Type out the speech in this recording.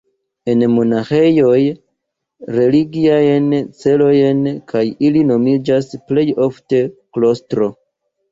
En monaĥejoj, religiajn celojn, kaj ili nomiĝas plej ofte klostro.